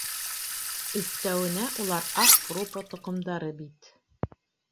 Өҫтәүенә, улар аҡ Фропа тоҡомдары бит.